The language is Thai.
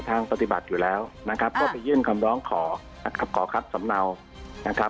ทางปฏิบัติอยู่แล้วนะครับก็ไปยื่นคำร้องขอขอครับสำเนา